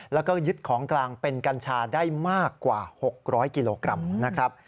แล้วก็ยึดของกลางเป็นกัญชาได้มากกว่า๖๐๐กิโลกรัมนะครับ